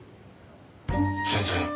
全然。